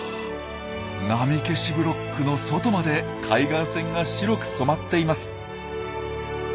波消しブロックの外まで海岸線が白く染まっています。